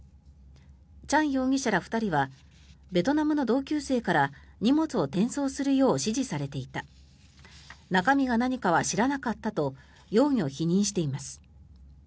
チャン容疑者ら２人はベトナムの同級生から荷物を転送するよう指示されていた中身が何かは知らなかったと容疑を否認しています。